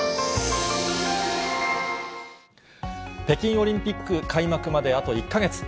北京オリンピック開幕まであと１か月。